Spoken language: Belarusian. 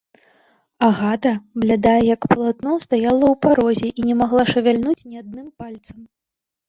Агата, блядая, як палатно, стаяла ў парозе і не магла шавяльнуць ні адным пальцам.